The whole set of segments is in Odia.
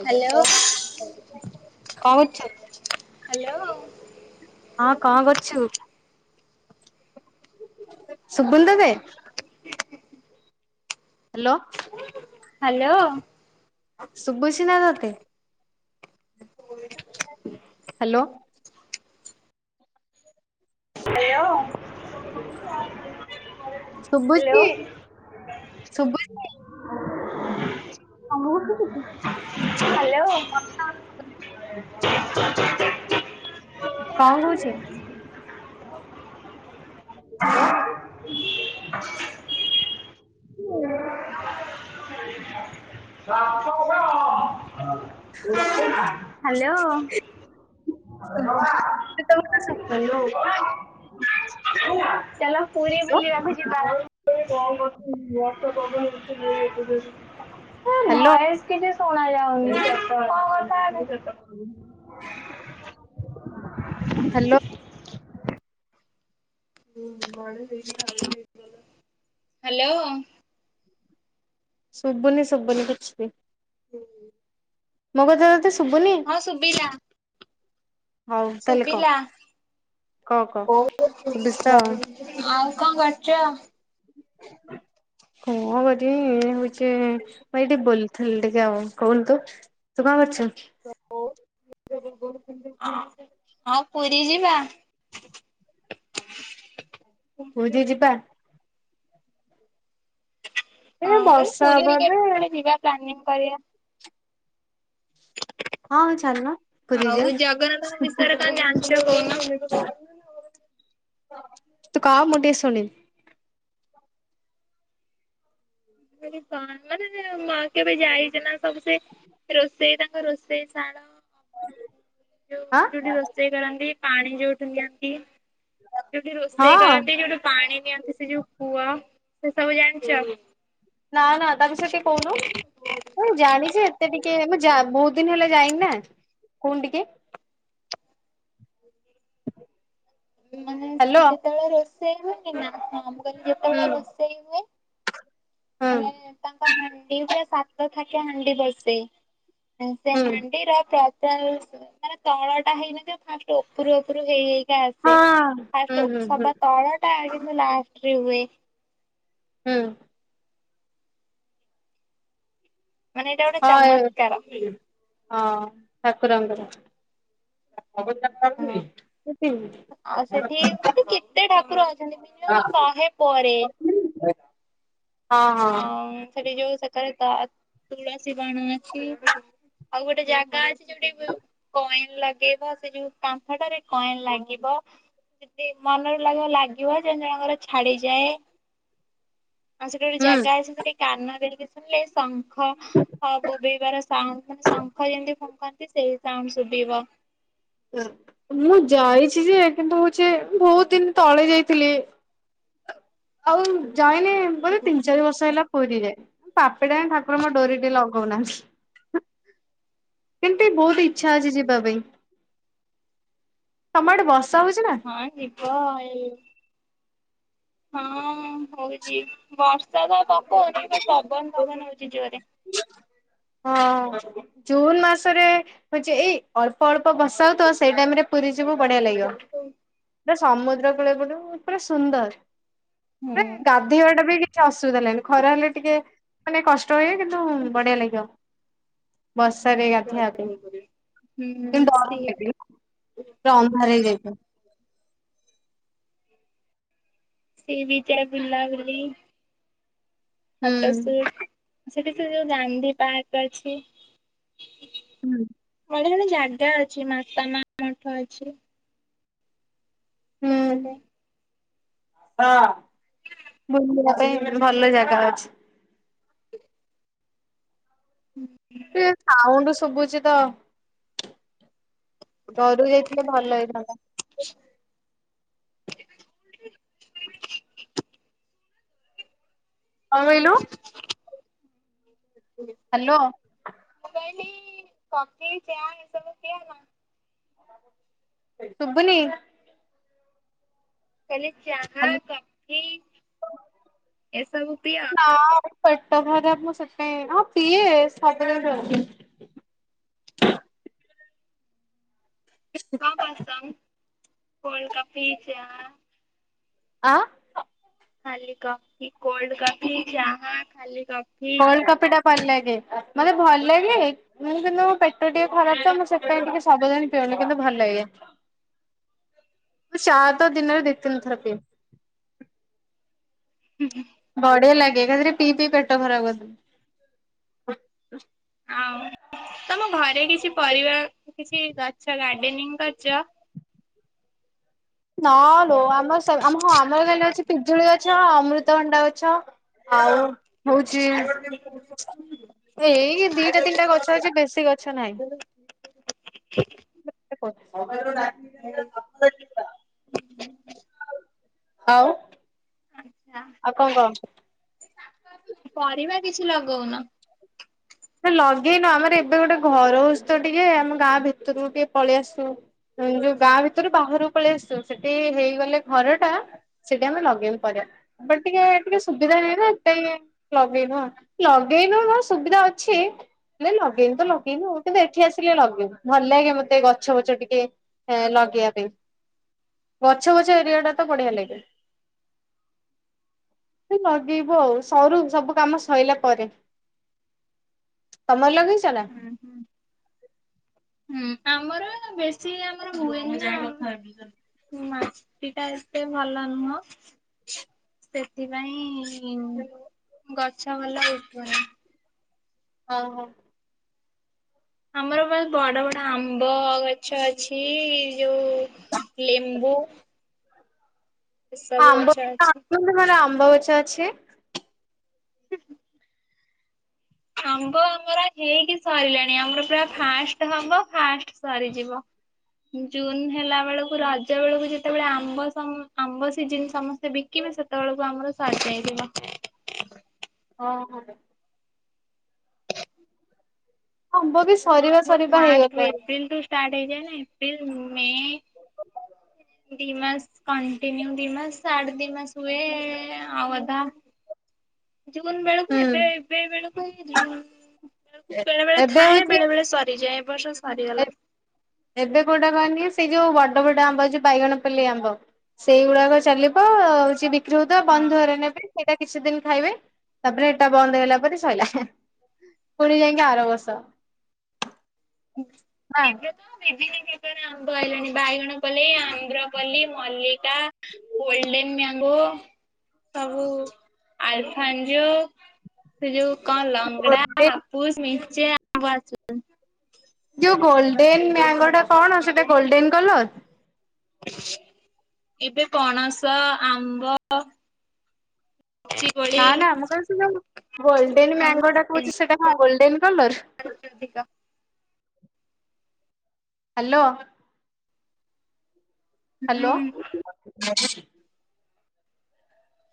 କଅଁ କରୁଛ? ହ୍ୟାଲୋ। ହଁ କଣ କରୁଛୁ? ସୁବୁନି ତତେ? ହ୍ୟାଲୋ। ହ୍ୟାଲୋ। ଶବୁଛି ନା ତତେ? ହାଲୋ। ହାଲୋ। ହ୍ୟାଲୋ। ଶୁଭୁଛି? ଆଉ ଶୁଭୁଛି ଉଠଦ ଟି [unintelligible] ହ୍ୟାଲୋ। [inaudible] କଣ କହୁଚୁ? ହ୍ୟାଲୋ। [unintelligible] ହ୍ୟାଲୋ। [inaudible] [unintelligible] ହ୍ୟାଲୋ ଚାଲ ପୁରୀ ବୁଲିବାକୁ ଯିବା। କଣ କରୁଚୁ [unintelligible] କଣ ହ୍ୟାଲୋ ଭଏସ କିଛି ଶୁଣା ଯାଉନି କଣ କଥାହେବି। [inaudible] ହ୍ୟାଲୋ। ହ୍ୟାଲୋ। ସୁବୁନି ସୁବୁନି କିଛି ମୋ କଥା ତତେ ଶୁଭୁନି? ହଁ ସୁବିଲା। ହଉ ତାହେଲେ କହ ସୁଵିଲା କହ କହ। ଶୁଭୁଛି ତ? [unintelligible] ଆଉ କଣ କରୁଚ? ହଁ ଏଠି ହୋଇଛି ମୁଇ ଟିକେ ବୁଲୁଥିଲି ଟିକେ ଆଉ କହନ୍ତୁ? ତୁ କଣ କରୁଚୁ? [unintelligible] ହଁ ପୁରୀ ଯିବା। ପୁରୀ ଯିବା? ଏ ହଁ ବର୍ଷା ପୁରୀ ହବ ଏବେ। ହେରିକା ଯିବା ପ୍ଲାନିଂ କରିବା। ହଁ ଚାଲୁନ ପୁରୀ ଯିବା। ଆଉ ଜଗନ୍ନାଥଙ୍କ ବିଷୟରେ କଣ ଜାଣିଚ କହୁନା? ତୁ କହ ମୁଁ ଟିକେ ଶୁଣିବି। ମାନେ କେବେ ଯାଇଛ ନା ସବୁ ସେ ରୋଷେଇ ତାଙ୍କ ରୋଷେଇ ଶାଳ। ଆଁ ଯୋଉ ଯୋଉଠି ରୋଷେଇ କରନ୍ତି ପାଣି ଯୋଉଠି ନିଅନ୍ତି ଯୋଉଠି ରୋଷେଇ ହଁ। କରନ୍ତି ଯୋଉଠି ପାଣି ନିଅନ୍ତି ସେ ଯୋଉ କୂଅ ସେ ସବୁ ଜାଣିଚ? ନା ନା ତା ବିସୟରେ ସେ କଉନୁ। ମୁଁ ଜାଣିଛି ଏତେ ଟିକେ ମୁ ଯା ବହୁତି ଦିନି ହେଲା ଯାଇନି ନା କଉନୁ ଟିକେ। ମାନେ ହ୍ୟାଲୋ ସେତେବେଳେ ରୋଷେଇ ହୁଏନି ନା ହଁ ମୁଁ କହିଲି ହୁଁ ଯେତେବେଳେ ରୋଷେଇ ହୁଏ। ହୁଁ ମାନେ ତାଙ୍କ ହାଣ୍ଡି ପୁରା ସାତ ଥାକିଆ ହାଣ୍ଡି ବସେ। ଆଉ ସେ ହୁଁ ହାଣ୍ଡିର ପ୍ରା ଟାଇଲ୍ ତାର ତଳ ଟା ହେଇନଥିବ ଫାଷ୍ଟ ଉପରୁ ଉପରୁ ହେଇହେଇ କା ଆ ଟେ ହଁ। ହୁଁ ଫାଷ୍ଟ ହୁଁ ଉପର ହୁଁ ଟା ତଳଟା କିନ୍ତୁ ଲାଷ୍ଟ ରେ ହୁଏ। ହୁଁ। ମାନେ ଏଇଟା ଗୋଟେ ଚମତ୍କାର। ହଁ ହଁ ଠାକୁରଙ୍କର [unintelligible] ଅ ସେଠି କେତେ ଠାକୁର ଅଛନ୍ତି ମିନିମମ ଶହେ ପରେ। ହୁଁ। ଅଁ ସେଠି ଯୋଉ ସେ ତାରେ ତ ତୁଳସୀ ବାଣ ଅଛି ଆଉ ଗୋଟେ ଜାଗା ଅଛି ଯୋଉଠି କଏନ ଲଗେଇବା ସେ ଯୋଉ କାନ୍ଥଟାରେ କଏନ୍ ଲାଗିବ। ସେଦେ ମନରେ ଲାଗିବ ଜଣ ଜଣଙ୍କର ଛାଡିଯାଏ। ସେଠୀ ଗୋଟେ ଜାଗା ହୁଁ। ଅଛି ସେଠି କାନ ଦେଇକି ଶୁଣିଲେ ଶଙ୍ଖ ବୋବେଇବାର ଶଙ୍ଖ ଯେମିତି ଫୁଙ୍କନ୍ତି ସେଇ ସାଉଣ୍ଡ ଶୁଭିବ। ମୁଁ ଯାଇଛି ଯେ କିନ୍ତୁ ହଉଛି ବହୁତ ଦିନ ତଳେ ଯାଇଥିଲି। [inaudible] ଆଉ ଜାଇନି ବୋଧେ ତିନି ଚାରି ବର୍ଷ ହେଲା ପୁରୀରେ ଯାଏ ଠାକୁର ମୋ ଡୋରି ଟିକେ ଲ ହଉନାହନ୍ତି। କେମତି ମୋର ଇଛା ଅଛି ଯିବା ପାଇଁ ତମ ଆଡେ ବର୍ଷା ହଉଛି ନା? ପାଟି କ ହଁ ହଉଛି ବର୍ଷା ତ ପକଉନି ଗୋଟ ପବନ ଫବନ ହଉଛି ଜୋରରେ। ହ ହଁ ଜୁନ୍ ମାସରେ ହଉଛି ଏଇ ଅଳ୍ପ ଅଳ୍ପ ବର୍ଷା ହଉଥିବ ସେଇ ଟାଇମ ରେ ପୁରୀ ଯିବୁ ବଢିଆ ହୁଁ ଲାଗିବ ହୁଁ ପୁରା ସମୁଦ୍ର କୂଳ ଗୁଡାକ ପୁରା ସୁନ୍ଦର। ଗାଧୋଇବାଟା ବି କିଛି ଅସୁବିଧା ହେଲାନି ଖରା ହେଲେ ଟିକେ ମାନେ କଷ୍ଟ ହୁଏ କିନ୍ତୁ ବଢିଆ ଲାଗିବ। [unintelligible] ବର୍ଷାରେ ଗାଧେଇବା ପାଇଁ କିନ୍ତୁ ଡର ସି ଲାଗିବ। ପୁରା ଅନ୍ଧାର ହେଇ ଯାଇଥିବ। ସିବିଜ୍ ବୁଲାବୁଲି ଫଟ ହୁଁ। ସୁଟ୍। ସେଠି ସେ ଯୋଉ ଗାନ୍ଧୀ ପାର୍କ ଅଛି। ହୁଁ। ସେଠୀ ଗୋଟେ ଜାଗା ଅଛି ମାତା ମା ମଠ ଅଛି। ସେପଟେ ହଁ ବୁଲିଯିବା ପାଇଁ ଭଲ ଜାଗା ଅଛି। ହୁଁ। ଏ ସାଉଣ୍ଡ ଶୁଭୁଛି ତ? ଘରୁ ଯାଇଥିଲେ ଭଲ ହେଇଥାନ୍ତା। [unintelligible] କଣ ମାଇଲୁ? ହ ଆା ହ୍ୟାଲୋ। ମୁ କହିଲି କଫି ଚା ଏସବୁ ଦିଆନା। ସୁୁଭୁନି? କହିଲି ଚାହା ହ୍ୟାଲୋ। କଫି ଏସବୁ ପିଅ? ନା ପେଟ ଖରାପ ମୁଁ ସେଥିପାଇଁ ହଁ ପିଏ ଥଣ୍ଡା ହେଲେ। କଣ ପସନ୍ଦ କୋଲ୍ଡକଫି ଚା? ଆଁ। ଖାଲି କଫି କୋଲ୍ଡ କଫି ଚାହା ଖାଲି କଫି? କୋଲ୍ଡ କଫି ଟା କଣ ଲାଗେ ମାନେ ଭଲ ଲାଗେ। ମୁଁ କିନ୍ତୁ ମୋ ପେଟ ଟିକେ ଖରାପ ତ ମୁଁ ସେଥିପାଇ ଟିକେ ସବୁଦାଣି ପିଉନି କିନ୍ତୁ ଭଲ ଲାଗେ। ଚା ତ ଦିନରେ ଦି ତିନି ଥର ପିଏ। ହୁଁ ହୁଁ। ବଢିଆ ଲାଗେ ତା ଧେରେ ପିଇ ପିଇ ପେଟ ଖରାପ କରିଦ ଆଉ ତମ ଘରେ କିଛି ପରିବା କିଛି ଗଛ ଗାର୍ଡେନିଂ କରିଛ। ନା ଲୋ ଆମର ସ ଆମ ହଁ ଆମର ଗାଲେ ଅଛି ପି ଜୁଳି ଗଛ ଅମୃତଭଣ୍ଡା ଗଛ ଆଉ। ହଉଛି ଏଇ ଦିଟା ତିନିଟା ଗଛ ଅଛି ବେଶୀ ଗଛ ନାହିଁ। [unintelligible] ହୁଁ ଆଉ। ଆଛା। ଆଉ କଣ କହ। ପରିବା କିଛି ଲଗଉନ। ନା ଲଗେଇନୁ ଆମର ଏବେ ଗୋଟେ ଘର ହଉଛି ତ ଟିକେ ଆମ ଗାଁ ଭିତରକୁ ଟିକେ ପଳେଇ ଆସୁ। ଉଁ ଯୋଉ ଗାଁ ଭିତରୁ ବାହାରକୁ ପଳେଇ ଆସିଛୁ ସେଠି ହେଇଗଲେ ଘର ଟା। ସେଠି ଆମେ ଲଗେଇବୁ ପରିବା। ବାଟ୍ ଟିକେ ଟିକେ ସୁବିଧା ନାହିଁ ନା ହେତିପାଇଁ ଲଗେଇନୁ ଆଉ ଲଗେଇନୁ କଣ ସୁବିଧା ଅ ଛି। ହେ ଲଗେଇନି ତ ଲଗେଇନୁ ଆଉ କିନ୍ତୁ ଏଠି ଆସିଲେ ଲଗେଇବୁ ଭଲ ଲାଗେ ମତେ ଗଛ ବଛ ଟିକେ ଏଁ ଲଗେଇବା ପାଇଁ ଗଛ ବଛ ଏରିଆ ଟା ତ ବଢିଆ ଲାଗେ। ଲଗେଇବୁ ଆଉ ସରୁ ସବୁ କାମ ସଇଲା ପରେ। ତମର ଲଗେଇଛ ନା। ହୁଁ ହୁଁ। ହୁଁ ଆମର ବେଶୀ ଆମର ହୁଏନି ଆଉ ମାଟି ଟା ଏତେ ଭଲ ନୁହଁ। ସେଥିପାଇଁ ଗଛ ଭଲ ଉଠୁନି। ହଉ ହଉ। ଆମର ବସ୍ ବଡ ବଡ ଆମ୍ବ ଗଛ ଅଛି ଯୋଉ ଲେମ୍ବୁ ଏସବୁ ଆମ୍ବ ଗଛ ଅଛି। [inaudible] ଆମ୍ବ ଗଛ ଅଛି। ଆମ୍ବ ଆମର ହେଇକି ସରିଲାଣି ଆମର ପୁରା ଫାଷ୍ଟ ହବ ଫାଷ୍ଟ ସରିଯିବ। ଜୁନ୍ ହେଲା ବେଳକୁ ରଜ ବେଳକୁ ଯେତେବେଳେ ଆମ୍ବ ସମ୍ ଆମ୍ବ ସିଜନ୍ ସମସ୍ତେ ବି କିବେ ସେତେବେଳକୁ ଆମର ସରିଯାଇଥିବ। ହଁ ହଁ ବେ ଆମ୍ବ ବି ସରି ମୋ ଫାଷ୍ଟ ଏପ୍ରିଲ ଠୁ ଷ୍ଟାର୍ଟ ହେଇଯାଏ ନାଇ ଏପ୍ରିଲ ମେ ଦି ମାସ୍ କଣ୍ଟିନ୍ୟୁ ଦି ମାସ୍ ଆଠ ଦି ମାସ୍ ହୁଏ ଆଉ ଅଧା ଜୁନ୍ ବେଳକୁ ହୁଁ। ଏବେ ଏବେ ବେଳକୁ ଯିବ ବେଳକୁ ବେଳେ ବଳେ ଏବେ ଥାଏ ହଉଛି ବେଳେ ବେଳେ ସରିଯାଏ ଏ ବର୍ଷ ସରିଗଲା। ଏବେ କୋଉଟା କହନି ସେଇ ଯୋଉ ବଡ ବଡ ଆମ୍ବ ଯଉ ବାଇଗଣପଲ୍ଲି ଆମ୍ବ। ସେଇଗୁଡାକ ଚାଲିବ ହଉଛି ବିକ୍ରି ହଉଥିବ ହଁ। ବନ୍ଧରେ ନେବେ। ସେଇଟା କିଛି ଦିନି ଖାଇବେ ତାପରେ ହେଟା ବନ୍ଦ ହେଲା ପରେ ସଇଲା ହେଁ। ପୁଣି ଯାଇକି ଆର ବର୍ଷ। ନା ଏବେ ତ [unintelligible] ଆମ୍ବ ଆଇଲାଣି ବାଇଗଣ ପଲେଇ Amrapali, Mallika, golden mango ସବୁ ଆଲଫାଞ୍ଜୋ ସେ ଯୋଉ କଣ ଲଙ୍ଗଡା ହା ଗୋଲଡେନ ପୁସ ମିଞ୍ଚେ ଆମ୍ବ [unintelligible] ଯୋଉ ଗୋଲଡେନ ମ୍ୟାଙ୍ଗୋ ଟା କଣ ସେଟା ଗୋଲଡେନ କଲର? ଏବେ ପଣସ, ଆମ୍ବ ଲିଚି ନା କୋଳି ନା, ମୁ କହିଲି ସେ ଯୋଉ ଗୋଲଡେନ ସବୁ ମ୍ୟାଙ୍ଗୋଟା କହୁଛି ସେଟା ହଁ ଗୋଲଡେନ କଲର? ପାରଶଧିକା ହ୍ୟାଲୋ। ହୁଁ ହ୍ୟାଲୋ [inaudible]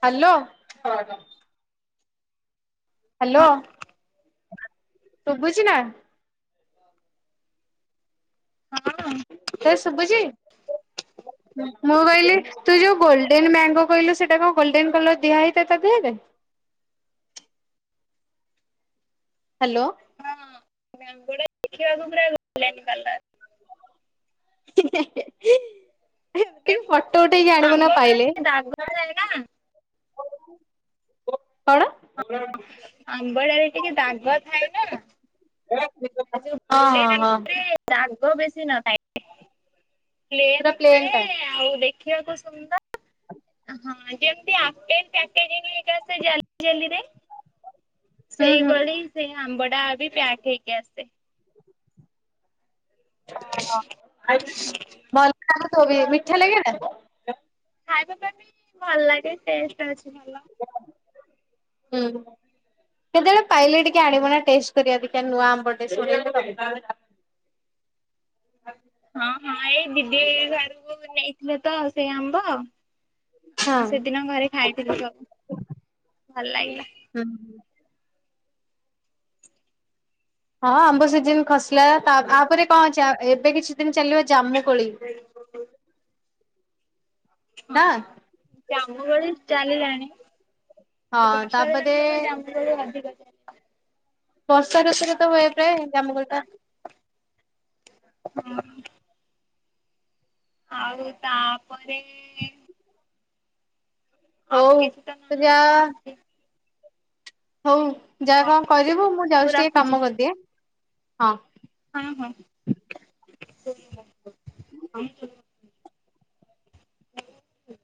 ହ୍ୟାଲୋ। ହ୍ୟାଲୋ, ଶୁଭୁଛି ନା? ହଁ ଏ ଶୁଭୁଛି, ମୁଁ କହିଲି ତୁ ଯୋଉ ଗୋଲଡେନ୍ ମ୍ୟାଙ୍ଗୋ କହିଲୁ ସେଟା କଣ ଗୋଲଡେନ୍ କଲର ଦିଆ ହେଇଥା ତା ଦେହରେ ହ୍ୟାଲୋ। [unintelligible] ଦେଖିବାକୁ ପୁରା ଗୋଲଡେନ କଲର। ଟିକେ ମାନେ ମୁଁ ଫଟୋ ଉଠେଇକି ଆଣିବ ନା ଆମ୍ବ ଗୁରା ପାଇଲେ। ଦାଗ ଥାଏ ନା କଣ? ଆମ୍ବଳା ରେ ଟିକେ ଦାଗ ଥାଏ ନା। ଏ [unintelligible] [unintelligible] ଗୋଲଡେନ ଆମ୍ ରେ ଦାଗ ବେଶୀ ନଥାଏ। ପ୍ଲେନ୍ ପୁରା ପ୍ଲେନ୍ ଥାଏ, ଟା ଆଉ ଦେଖିବାକୁ ସୁନ୍ଦ ହଁ ଯେମତି ଅମଲେଟ [unintelligible] ରେ। ହୁଁ ହୁଁ ସେଇଭଳି ସେଇ ଆମ୍ବଡା ବି ପ୍ୟାକ୍ ହେଇକି ଆସ୍ [unintelligible] ମିଠା ଲାଗେ ଏଟା? ଖାଇବା ପାଇଁ ବି ଭଲ ଲାଗେ, ଟେଷ୍ଟ ଅଛି ଭଲ। ହୁଁ। କେତେବେଳେ ପାଇଲେ ଟିକେ ଆଣିବୁ ନା ଟେଷ୍ଟ କରିବା ଟିକେ ନୂଆ ଆମ୍ବ ଟେ। [inaudible] ହଁ ହଁ ଏଇ ଦିଦି ଘରକୁ ନେଇଥିଲେ ତ ସେ ଆମ୍ବ? ମୁଁ ସେଦିନ ଘରେ ଖାଇଥିଲି ସବ୍, ଭଲ ଲାଗିଲା। ହୁଁ। ହଁ ଆମ୍ବ ସିଜିନ ଖସିଲା ତାପ୍, ଆପରେ କଣ ଅଛି, ଆବ୍ ଏବେ କିଛି ଦିନ ଚାଲିବ ଜାମୁ କୋଳି। [unintelligible] ହଁ ନା ଜାମୁ କୋଳି ଚାଲିଲାଣି, ହଁ ତାପରେ [unintelligible] ଜାମୁ [unintelligible] ବର୍ଷା ଋତରେ ତ ହୁଏ ପ୍ରାୟ ଜାମ୍ମୁ କୋଳି ଟା? ହଁ। ଆଉ ତାପରେ ଆଉ ହଉ କିଛି ତ ନା ତୁ ଯା କଣ ଅଛି। ହଉ ଯା ହଉ କଣ କରିବୁ, ମୁଁ ହଉ ଯାଉଛି ଟିକେ ରଖୁଛି କାମ କରିଦିଏ, ହଁ। ହଁ, ହଁ। [inaudible] ହ